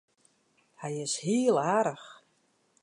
Hy is hiel aardich.